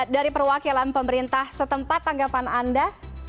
dari perwakilan pemerintah setempat tanggapan anda